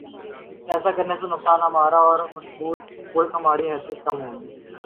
ایسا کرنے سے نقصان ہمارا ہوا اور بطور ملک ہماری حیثیت کم ہوئی۔